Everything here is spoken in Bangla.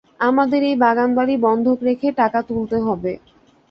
আমাদের এই বাগানবাড়ি বন্ধক রেখে টাকা তুলতে হবে।